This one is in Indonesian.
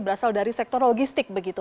berasal dari sektor logistik